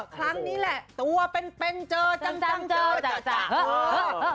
ครั้งนี้แหละตัวเป็นเจอจ้างจ้าง